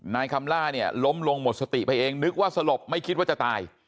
นายคำล่าเนี่ยล้มลงหมดสติไปเองนึกว่าสลบไม่คิดว่าจะตาย